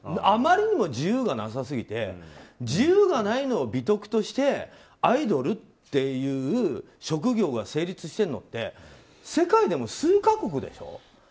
あまりにも自由がなさすぎて自由がないのを美徳としてアイドルという職業が成立しているのって世界でも数か国でしょ。